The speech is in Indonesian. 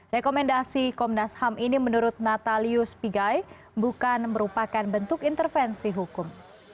rekomendasi komnas ham ini menurut natalius pigai bukan merupakan bentuk intervensi hukum